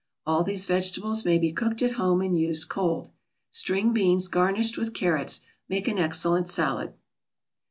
All these vegetables may be cooked at home and used cold. String beans garnished with carrots make an excellent salad.